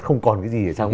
không còn cái gì